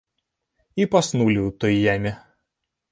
І паснулі у той яме!